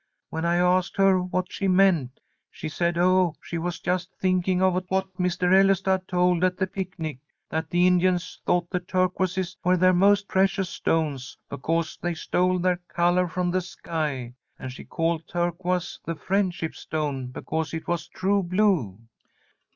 When I asked her what she meant, she said, oh, she was just thinking of what Mr. Ellestad told at the picnic, that the Indians thought the turquoises were their most precious stones because they stole their colour from the sky, and she called turquoise the friendship stone because it was true blue."